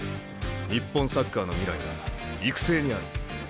日本サッカーの未来は育成にある。